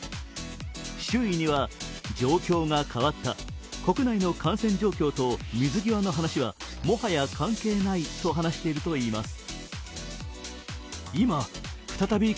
周囲には状況が変わった、国内の感染状況と水際の話はもはや関係ないと話しているといいます。